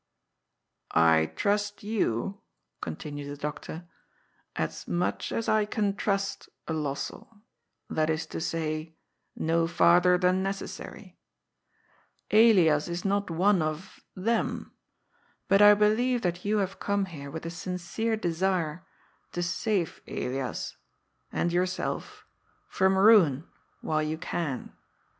I trust you," continued the doctor, " as much as I can trust a Lossell, that is to say, no farther than necessary. Elias is not one of — them. But I believe that you have come here with the sincere desire to save Elias — ^and your self — from ruin, while you can.